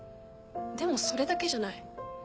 でもそれだけじゃない。